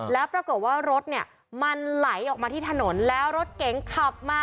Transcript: แล้วปรากฏว่ารถเนี่ยมันไหลออกมาที่ถนนแล้วรถเก๋งขับมา